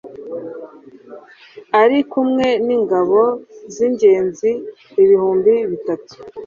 ari kumwe n'ingabo z'ingenzi ibihumbi bitatu